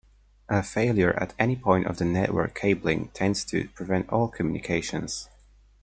A failure at any point of the network cabling tends to prevent all communications.